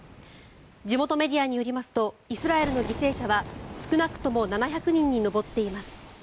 地元メディアによりますとイスラエルの犠牲者は少なくとも７００人に上っています。